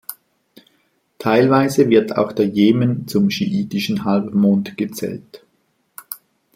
Teilweise wird auch der Jemen zum schiitischen Halbmond gezählt.